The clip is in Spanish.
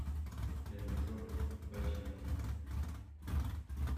La litrona...¡vaya mona!